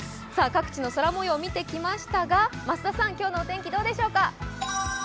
各地の空もようを見てきましたが、増田さん、今日のお天気どうでしょうか？